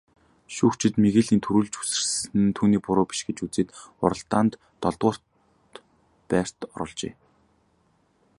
Шүүгчид Мигелийн түрүүлж үсэрсэн нь түүний буруу биш гэж үзээд уралдаанд долдугаарт байрт оруулжээ.